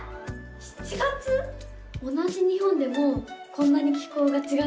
同じ日本でもこんなに気候がちがうんだな。